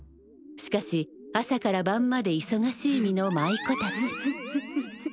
しかし朝から晩までいそがしい身の舞妓たち。